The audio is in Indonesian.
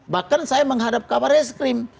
bahkan saya menghadap kabar reskrim